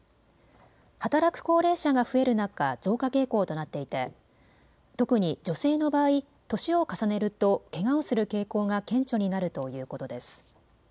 働く高齢者が増える中、増加傾向となっていて特に女性の場合、年を重ねるとけがをする傾向が顕著になるということです。